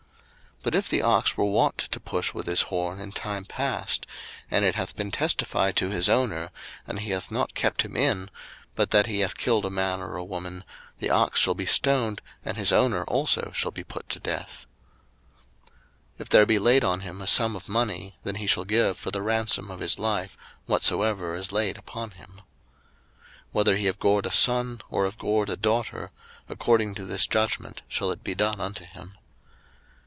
02:021:029 But if the ox were wont to push with his horn in time past, and it hath been testified to his owner, and he hath not kept him in, but that he hath killed a man or a woman; the ox shall be stoned, and his owner also shall be put to death. 02:021:030 If there be laid on him a sum of money, then he shall give for the ransom of his life whatsoever is laid upon him. 02:021:031 Whether he have gored a son, or have gored a daughter, according to this judgment shall it be done unto him.